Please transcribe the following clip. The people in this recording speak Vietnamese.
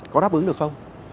có đáp ứng được không